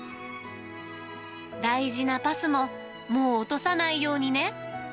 大事なＰＡＳＭＯ、もう落とさないようにね。